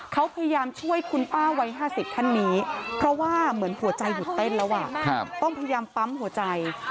เขาพยายามช่วยคุณป้าวัย๕๐ท่านนี้เพราะว่าเหมือนหัวใจหยุดเต้นแล้วต้องพยายามปั๊มหัวใจ